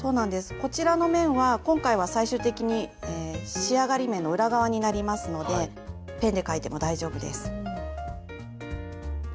こちらの面は今回は最終的に仕上がり面の裏側になりますのでペンで描いても大丈夫です。